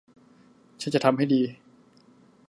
ฉันจะทำให้ดี